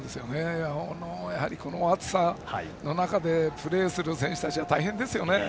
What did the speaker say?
やはりこの暑さの中でプレーする選手たちは大変ですよね。